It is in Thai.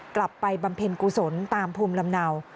บำเพ็ญกุศลตามภูมิลำเนา